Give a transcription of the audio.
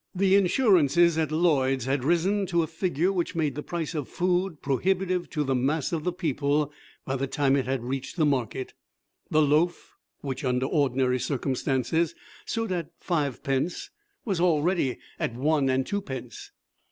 The insurances at Lloyd's had risen to a figure which made the price of the food prohibitive to the mass of the people by the time it had reached the market. The loaf, which, under ordinary circumstances stood at fivepence, was already at one and twopence.